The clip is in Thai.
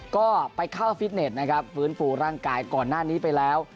ก็ไปเข้าฟิตเน็ตนะครับฟื้นฟูร่างกายก่อนหน้านี้ไปแล้ว